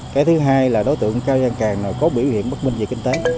cái thứ hai là đối tượng cao dân càng có biểu hiện bắt minh về kinh tế